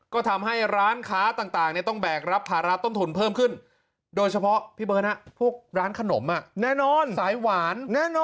ก็ทำให้ร้านค้าต่างต้องแบกรับภาระต้นทุนเพิ่มขึ้นโดยเฉพาะพี่เบิร์ตพวกร้านขนมแน่นอนสายหวานแน่นอน